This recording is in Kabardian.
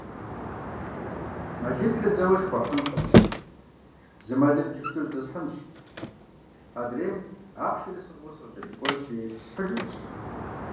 МэлитӀри зэуэ схуэхьынкъым, зы мэлыр иджыпсту здэсхьынщ, адрейм, ахъшэри сӀыгъыу, сыкъыкӀэлъыкӀуэнщи схьыжынщ.